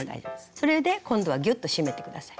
それで今度はギュッと締めて下さい。